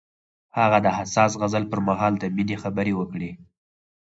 هغه د حساس غزل پر مهال د مینې خبرې وکړې.